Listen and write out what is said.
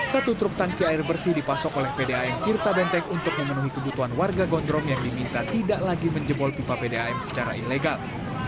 satu truk tangki air bersih dipasok oleh pdam tirta benteng untuk memenuhi kebutuhan warga gondrong yang diminta tidak lagi menjebol pipa pdam secara ilegal